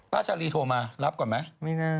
ป้าชาลีโทรมารับก่อนไหมไม่ได้